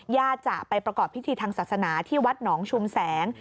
จะไปประกอบพิธีทางศาสนาที่วัดหนองชุมแสง